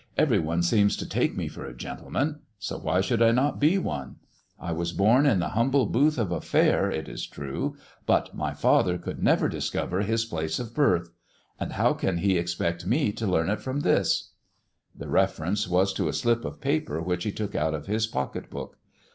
" Every one seems to take me for a gentleman ; so why should I not be one ? I was bom in the humble booth of a fair, it is true ; but my father could never discover his place of birth. And how can he expect me to learn it from this ]" The reference was to a slip of paper which he took out of his pocket book.